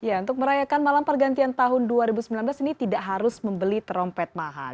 ya untuk merayakan malam pergantian tahun dua ribu sembilan belas ini tidak harus membeli trompet mahal